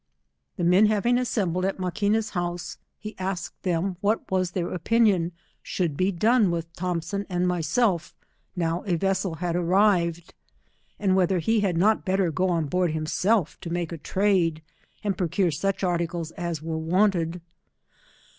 The men having assembled at Maquina's houge^ 179 he asked them what was their opinion should he done with Thompson and myself, now a vessel had arrived, and whether he had not better go on board himself, to make a trade, and procure such articles as were wanted.